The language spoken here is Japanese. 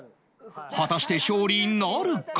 果たして勝利なるか？